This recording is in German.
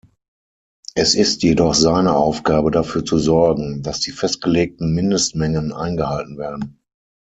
Es ist jedoch seine Aufgabe, dafür zu sorgen, dass die festgelegten Mindestmengen eingehalten werden.